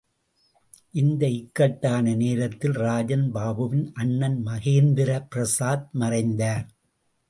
இந்த இக்கட்டான நேரத்தில், ராஜன் பாபுவின் அண்ணன் மகேந்திர பிரசாத் மறைந்தார்.